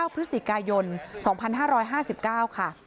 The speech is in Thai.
พฤศจิกายน๒๕๕๙ค่ะ